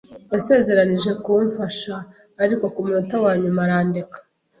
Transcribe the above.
Yasezeranije kumfasha, ariko ku munota wa nyuma arandeka.